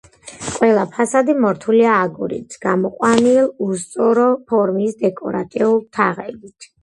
ყველა ფასადი მორთულია აგურით გამოყვანილ, უსწორო ფორმის დეკორატიულ თაღედით.